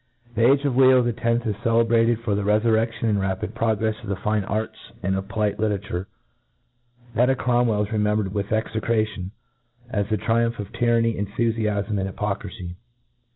The age of Leo X, i& celebrated for the rcfurrc£lion and rapid progref$ of the fine arts and of polite literature ; that of CromwclJ is remembered with exccratign, as the triumph of tyranny, enthufiafm, and hypocrify.